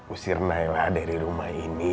usir naila dari rumah ini